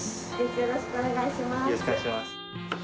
よろしくお願いします。